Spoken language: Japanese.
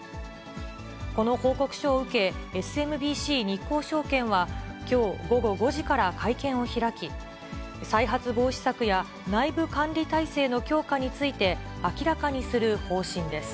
この報告書を受け、ＳＭＢＣ日興証券はきょう午後５時から会見を開き、再発防止策や内部管理体制の強化について、明らかにする方針です。